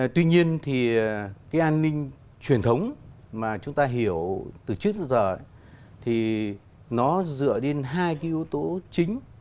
tuy nhiên thì cái an ninh truyền thống mà chúng ta hiểu từ trước đến giờ thì nó dựa đến hai cái yếu tố chính